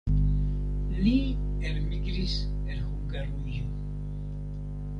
Li elmigris el Hungarujo.